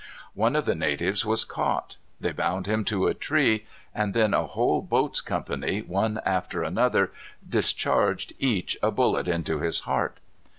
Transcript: One of the natives was caught. They bound him to a tree, and then a whole boat's company, one after another, discharged each a bullet into his heart.